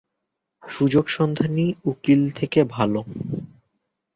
সুযোগ সন্ধানী উকিল থেকে ভালো।